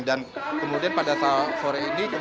dan kemudian pada sore ini